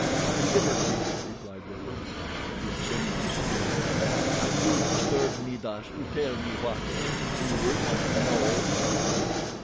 "My liberty," replied Werper. The Abyssinian sneered. "And you disturbed me thus to tell me what any fool might know," he said.